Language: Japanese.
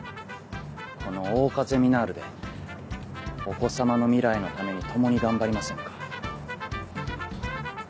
この桜花ゼミナールでお子様の未来のために共に頑張りませんか。